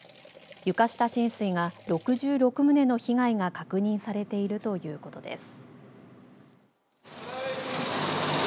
床下浸水が６６棟の被害が確認されているということです。